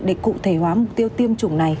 để cụ thể hóa mục tiêu tiêm chủng này